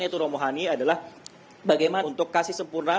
yaitu romohani adalah bagaimana untuk kasih sempurna